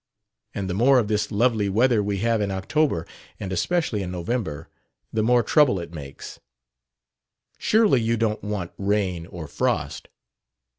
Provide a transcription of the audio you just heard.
"And the more of this lovely weather we have in October and especially in November the more trouble it makes." "Surely you don't want rain or frost?"